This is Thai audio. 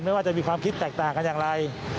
ว่าจะมีความคิดแตกต่างกันอย่างไร